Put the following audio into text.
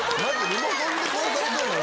リモコンで殺されちゃう？